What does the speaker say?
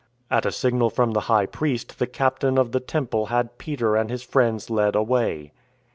At a signal from the High Priest the Captain of the Temple had Peter and his friends led away.